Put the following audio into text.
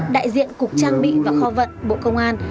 đại diện cục trang bị và kho vận bộ công an